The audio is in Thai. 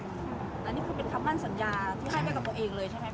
อันนี้คือเป็นคำมั่นสัญญาที่ให้ไปกับตัวเองเลยใช่ไหมค